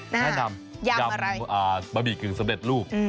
แนะนำยำบะหมี่กึ่งสำเร็จรูป